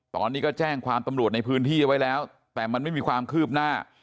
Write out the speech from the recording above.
ตอนนี้ก็แจ้งความตำรวจในพื้นที่ไว้แล้วแต่มันไม่มีความคืบหน้า